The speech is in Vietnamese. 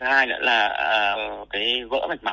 hai nữa là cái vỡ mạch máu